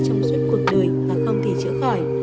trong suốt cuộc đời và không thể chữa khỏi